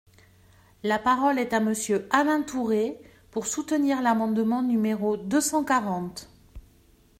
La parole est à Monsieur Alain Tourret, pour soutenir l’amendement numéro deux cent quarante.